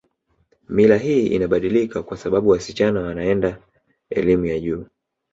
Mila hii inabadilika kwa sababu wasichana wanaenda elimu ya juu